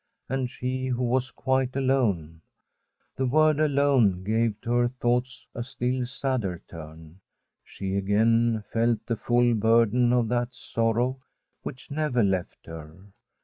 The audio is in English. And she who was quite alone 1 The word * alone ' gave to her thoughts a still sadder turn. She again felt the full burden of that sorrow which never left her.